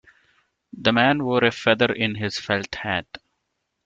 The man wore a feather in his felt hat.